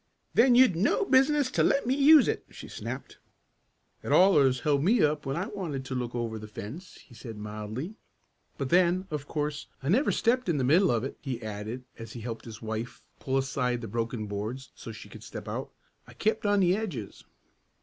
"Then you'd no business to let me use it!" she snapped. "It allers held me up when I wanted to look over the fence," he said mildly. "But then of course I never stepped in the middle of it," he added as he helped his wife pull aside the broken boards so she could step out. "I kept on the edges."